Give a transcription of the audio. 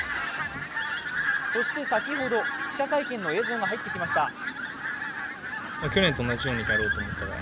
そして先ほど、記者会見の映像が入ってきました。